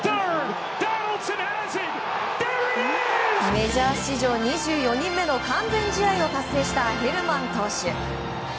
メジャー史上２４人目の完全試合を達成したヘルマン投手。